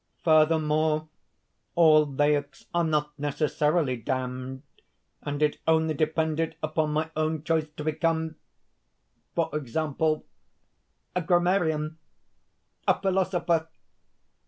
"Furthermore, all laics are not necessarily damned, and it only depended upon my own choice to become for example a grammarian, a philosopher.